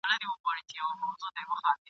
خلکو اسلام دی درته راغلی !.